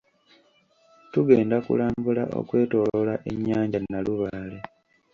Tugenda kulambula okwetoloola ennyanja Nalubaale.